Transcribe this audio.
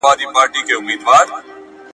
کاردستي ټولنې ته مبتکر ځوانان وړاندې کوي.